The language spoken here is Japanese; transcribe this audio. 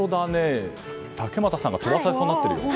竹俣さんが飛ばされそうになってるよ。